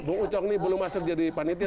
bung ucong ini belum masuk jadi panitia